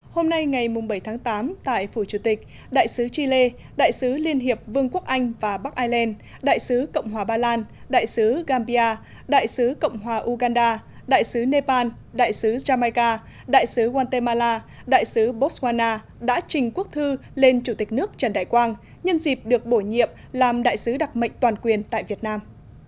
hôm nay ngày bảy tháng tám tại phủ chủ tịch đại sứ chile đại sứ liên hiệp vương quốc anh và bắc ireland đại sứ cộng hòa ba lan đại sứ gambia đại sứ cộng hòa uganda đại sứ nepal đại sứ jamaica đại sứ guatemala đại sứ botswana đã trình quốc thư lên chủ tịch nước trần đại quang nhân dịp được bổ nhiệm làm đại sứ đặc mệnh toàn quyền tại việt nam